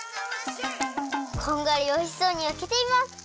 こんがりおいしそうにやけています。